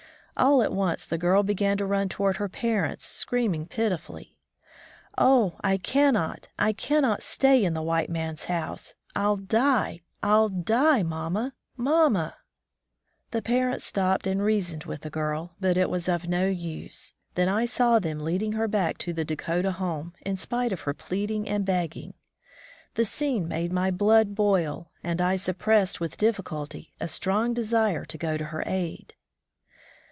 All at once the girl began to rim toward her parents, screaming pitifully. "Oh, I cannot, I cannot stay in the white man's house! I'll die, I'll die! Mamma! Mamma !" The parents stopped and reasoned with the girl, but it was of no use. Then I saw them leading her back to the Dakota Home, in spite of her pleading and begging. The scene made my blood boil, and I suppressed with difficulty a strong desire to go to her aid.